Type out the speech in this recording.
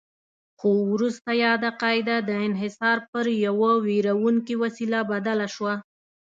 خو وروسته یاده قاعده د انحصار پر یوه ویروونکې وسیله بدله شوه.